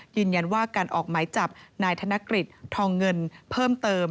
ยืนยันว่าการออกหมายจับนายธนกฤษทองเงินเพิ่มเติม